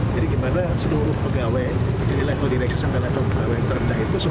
jadi bagaimana seluruh pegawai dari level direksi sampai level pegawai yang terpencah itu